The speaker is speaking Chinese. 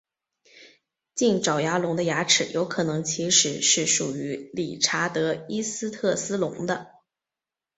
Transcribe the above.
近爪牙龙的牙齿有可能其实是属于理查德伊斯特斯龙的。